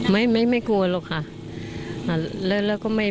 ไม่ควรละกัน